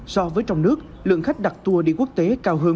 so với trong nước lượng khách đặt tour đi quốc tế cao hơn ba mươi bốn mươi